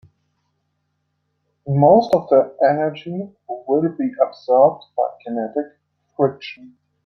Most of the energy will be absorbed by kinetic friction.